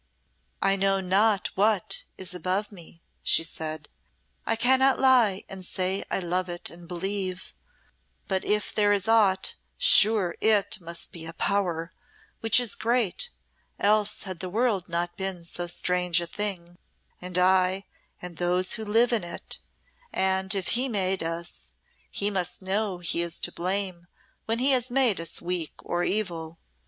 "I know not What is above me," she said. "I cannot lie and say I love It and believe, but if there is aught, sure It must be a power which is great, else had the world not been so strange a thing, and I and those who live in it and if He made us, He must know He is to blame when He has made us weak or evil.